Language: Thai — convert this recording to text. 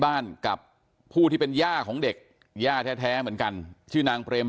กับผู้ที่เป็นย่าของเด็กย่าแท้เหมือนกันชื่อนางเปรม